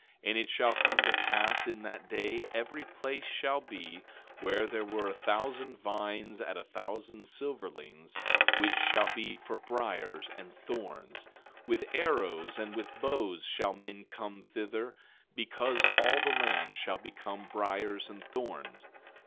17:23 And it shall come to pass in that day, every place shall be, where there were a thousand vines at a thousand silverlings, which shall be for briers and thorns. 17:24 With arrows and with bows shall men come thither, because all the land shall become briers and thorns.